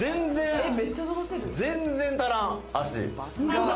全然足らん、足。